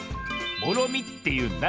「もろみ」っていうんだ。